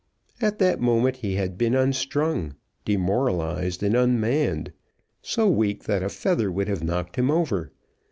At that moment he had been unstrung, demoralised, and unmanned, so weak that a feather would have knocked him over.